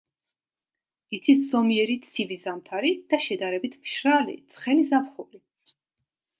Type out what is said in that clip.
იცის ზომიერი ცივი ზამთარი და შედარებით მშრალი ცხელი ზაფხული.